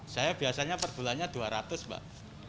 saya biasanya per bulannya dua ratus mbak